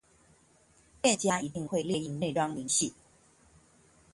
店家一定會列印那張明細